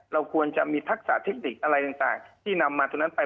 เราควรจะมีทักษะเทคนิคอะไรต่างที่นำมาตัวนั้นไป